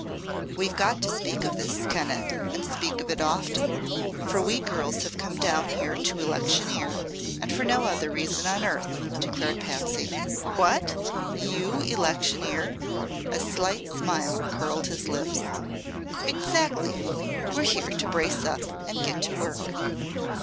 "We've got to speak of this, Kenneth, and speak of it often. For we girls have come down here to electioneer, and for no other reason on earth," declared Patsy. "What! You electioneer?" a slight smile curled his lips. "Exactly. We're here to brace up and get to work."